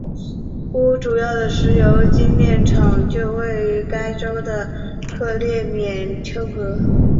乌主要的石油精炼厂就位于该州的克列缅丘格。